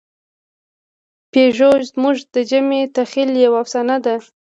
پيژو زموږ د جمعي تخیل یوه افسانه ده.